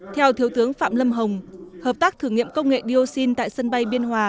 theo thiếu tướng phạm lâm hồng hợp tác thử nghiệm công nghệ dioxin tại sân bay biên hòa